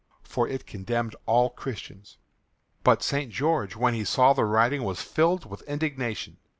For it condemned all Christians. But St. George when he saw the writing was filled with indignation.